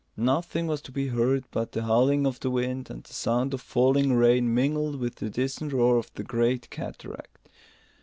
Nothing was to be heard but the howling of the wind and the sound of falling rain mingled with the distant roar of the great cataract.